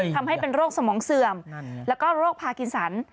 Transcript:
ทำให้เป็นโรคสมองเสื่อมแล้วก็โรคพากินสัน